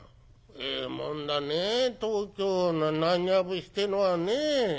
「ええもんだね東京の浪花節ってのはね。